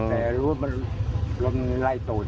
แต่รู้ผมรถมือไหลตรง